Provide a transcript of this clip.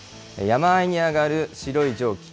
山あいに上がる白い蒸気。